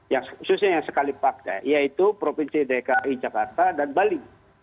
yang khususnya yang sekali pakai yaitu provinsi dki jakarta dan bali